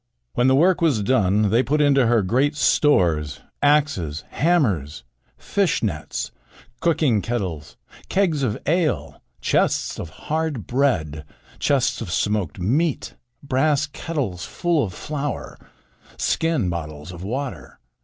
When the work was done, they put into her great stores, axes, hammers, fish nets, cooking kettles, kegs of ale, chests of hard bread, chests of smoked meat, brass kettles full of flour, skin bottles of water.